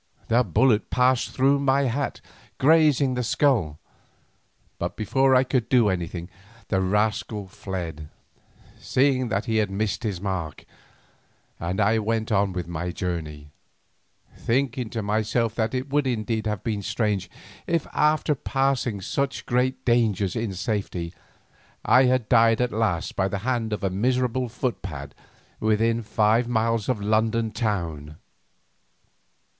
The bullet passed through my hat, grazing the skull, but before I could do anything the rascal fled, seeing that he had missed his mark, and I went on my journey, thinking to myself that it would indeed have been strange, if after passing such great dangers in safety, I had died at last by the hand of a miserable foot pad within five miles of London town.